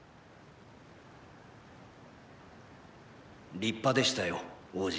立派でしたよ王子。